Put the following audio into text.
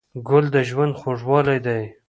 ګل د ژوند خوږوالی دی.